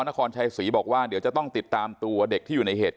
นครชัยศรีบอกว่าเดี๋ยวจะต้องติดตามตัวเด็กที่อยู่ในเหตุการณ์